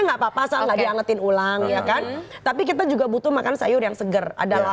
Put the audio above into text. enggak apa apa salah diangetin ulang ya kan tapi kita juga butuh makan sayur yang seger adalah